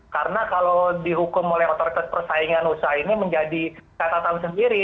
karena kalau dihukum oleh otor persaingan usaha ini menjadi kata kata sendiri